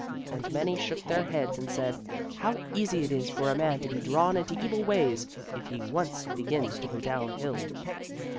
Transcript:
And many shook their heads and said, "How easy it is for a man to be drawn into evil ways if he once begins to go down hill!"